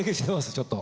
ちょっと。